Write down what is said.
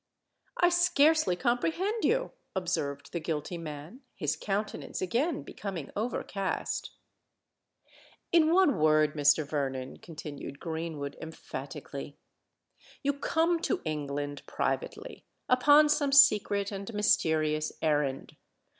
"I scarcely comprehend you," observed the guilty man, his countenance again becoming overcast. "In one word, Mr. Vernon," continued Greenwood, emphatically, "you come to England privately—upon some secret and mysterious errand.